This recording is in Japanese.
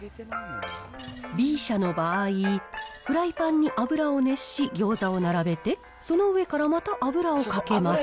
Ｂ社の場合、フライパンに油を熱し、餃子を並べて、その上からまた油をかけます。